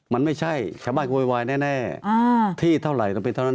มันไม่ใช่แค่บ้านกูวายวายแน่แน่อ่าที่เท่าไหร่ต้องเป็นเท่านั้น